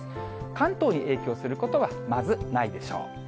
関東に影響することはまずないでしょう。